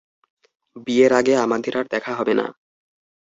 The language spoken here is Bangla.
বিয়ের আগে আমাদের আর দেখা হবে না।